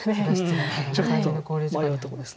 ちょっと迷うとこです。